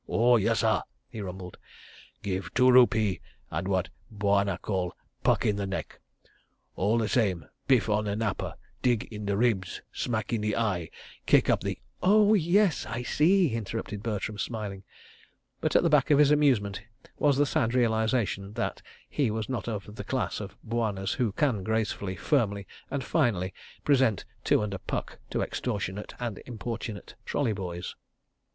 "Oh, yessah!" he rumbled. "Give two rupee and what Bwana call 'puck in the neck.' All the same, biff on the napper, dig in the ribs, smack in the eye, kick up the—" "Oh, yes, I see," interrupted Bertram, smiling—but at the back of his amusement was the sad realisation that he was not of the class of bwanas who can gracefully, firmly and finally present two and a puck to extortionate and importunate trolley boys.